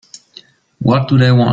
What do they want?